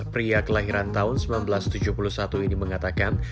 pria kelahiran tahun seribu sembilan ratus tujuh puluh satu ini mengatakan